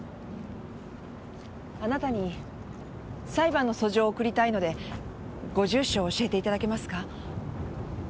あなたに裁判の訴状を送りたいのでご住所を教えていただけますか？